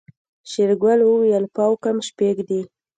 شېرګل وويل پاو کم شپږ دي.